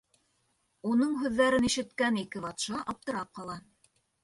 Уның һүҙҙәрен ишеткән ике батша аптырап ҡала.